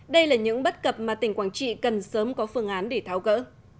đây là những bất cập mà tỉnh quảng trị cần sớm có phương án để tháo gỡ